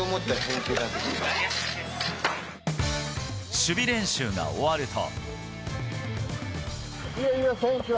守備練習が終わると。